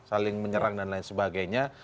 saling menyerang dan lain sebagainya